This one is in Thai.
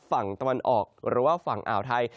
ฝั่งตะวันออกหรือว่าฝั่งอ่าวไทย